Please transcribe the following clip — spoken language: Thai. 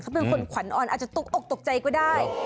เขาเป็นคนขวัญอ่อนอาจจะตกอกตกใจก็ได้